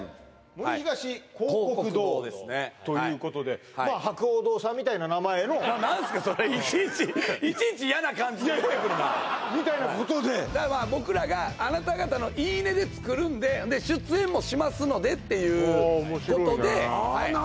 森東広告堂ということでまあ博報堂さんみたいな名前の何すかそれいちいちいちいちやな感じで言ってくるなみたいなことで僕らがあなた方の言い値で作るんで出演もしますのでっていうあ面白いね